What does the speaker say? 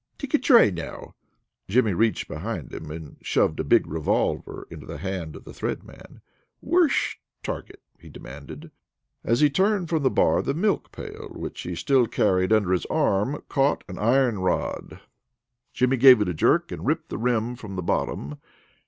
Take a try now." Jimmy reached behind him, and shoved a big revolver into the hand of the Thread Man. "Whersh target?" he demanded. As he turned from the bar, the milk pail which he still carried under his arm caught on an iron rod. Jimmy gave it a jerk, and ripped the rim from the bottom.